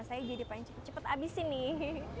saya jadi paling cepet cepet abisin nih